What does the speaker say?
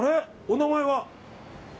お名前は？